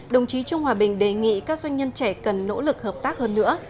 đồng chí trương hòa bình đề nghị các doanh nhân trẻ cần nỗ lực hợp tác hơn nữa